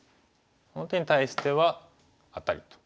この手に対してはアタリと。